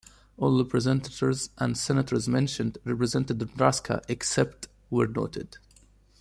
All representatives and senators mentioned represented Nebraska except where noted.